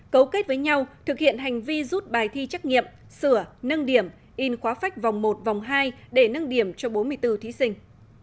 cấu kết với nhau thực hiện hành vi rút bài thi trắc nghiệm sửa nâng điểm in khóa phách vòng một vòng hai để nâng điểm cho bốn mươi bốn thí sinh